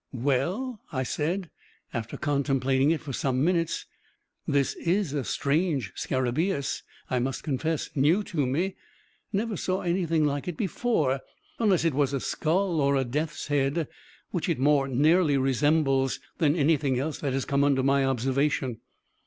"Well!" I said, after contemplating it for some minutes, "this is a strange scarabaeus, I must confess; new to me; never saw anything like it before unless it was a skull, or a death's head, which it more nearly resembles than anything else that has come under my observation."